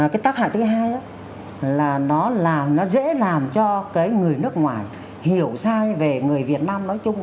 cái tác hại thứ hai là nó dễ làm cho người nước ngoài hiểu sai về người việt nam nói chung